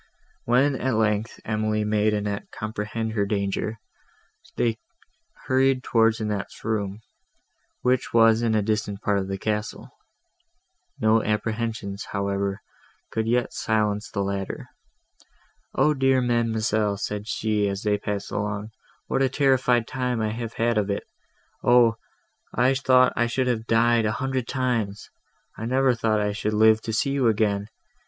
When, at length, Emily made Annette comprehend her danger, they hurried towards Annette's room, which was in a distant part of the castle. No apprehensions, however, could yet silence the latter. "Oh dear ma'amselle," said she, as they passed along, "what a terrified time have I had of it! Oh! I thought I should have died a hundred times! I never thought I should live to see you again!